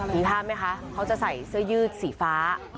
มีภาพไหมคะเขาจะใส่เสื้อยืดสีฟ้า